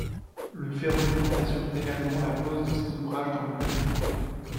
Le ferronnier assure également la pose de ses ouvrages dans le bâtiment.